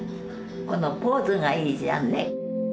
このポーズがいいじゃんね。